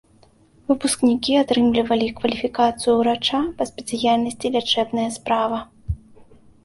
Выпускнікі атрымлівалі кваліфікацыю ўрача па спецыяльнасці лячэбная справа.